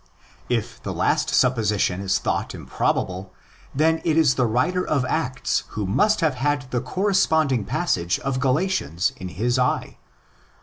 If the last supposition is thought improbable, then it is the writer of Acts who must have had the corresponding passage of Galatians in his eye.